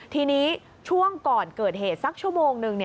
ทีนี้ช่วงก่อนเกิดเหตุสักชั่วโมงนึง